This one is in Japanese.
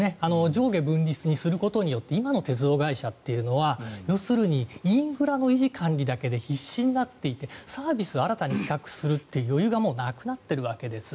上下分離にすることによって今の鉄道会社というのは要するにインフラの維持管理だけで必死になっていてサービスを新たに企画する余裕がもうなくなっているわけです。